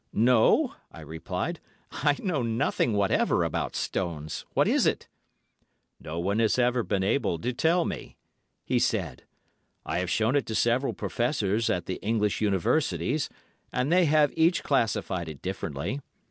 "No," I replied. "I know nothing whatever about stones. What is it?" "No one has ever been able to tell me," he said. "I have shown it to several Professors at the English Universities and they have each classified it differently.